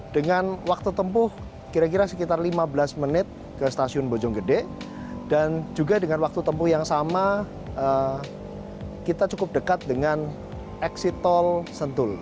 dengan waktu tempuh kira kira sekitar lima belas menit ke stasiun bojonggede dan juga dengan waktu tempuh yang sama kita cukup dekat dengan exit tol sentul